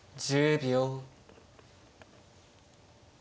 １０秒。